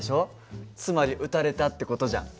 つまり打たれたって事じゃん。